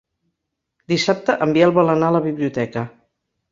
Dissabte en Biel vol anar a la biblioteca.